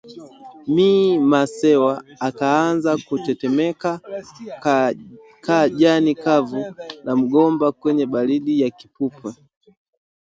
Me Masewa akaanza kutetemeka ka jani kavu la mgomba kwenye baridi ya kipupwe